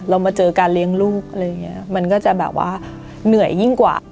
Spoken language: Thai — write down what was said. มาเจอการเลี้ยงลูกอะไรอย่างนี้มันก็จะแบบว่าเหนื่อยยิ่งกว่า